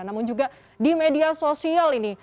namun juga di media sosial ini